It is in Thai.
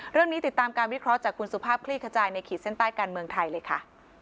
ติดตามการวิเคราะห์จากคุณสุภาพคลี่ขจายในขีดเส้นใต้การเมืองไทยเลยค่ะ